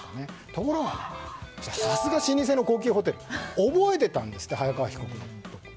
ところがさすが老舗の高級ホテル覚えていたんです早川被告のこと。